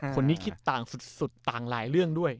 คนนี้คิดต่างสุดต่างหลายเรื่องด้วย